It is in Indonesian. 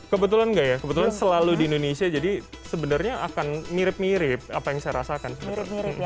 kebetulan nggak ya kebetulan selalu di indonesia jadi sebenarnya akan mirip mirip apa yang saya rasakan